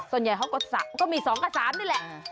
ส่วนใหญ่เขาก็มี๒กับ๓นี่แหละ